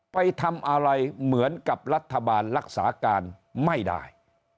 ไปทำอะไรเหมือนกับรัฐบาลรักษาการไม่ได้